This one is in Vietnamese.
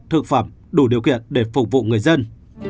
thực phẩm đủ điều kiện để phục vụ người dân